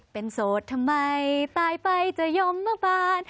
เป็นโสดทำไมตายไปจะยมเมื่อวาน